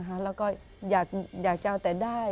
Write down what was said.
แล้วก็อยากจะเอาแต่ได้